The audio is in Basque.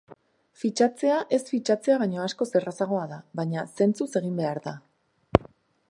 Fitxatzea ez fitxatzea baino askoz errazagoa da, baina zentzuz egin behar da.